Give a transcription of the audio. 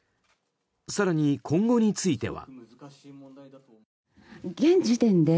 更に、今後については。